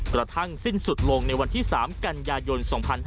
กระทั่งสิ้นสุดลงในวันที่๓กันยายน๒๕๕๙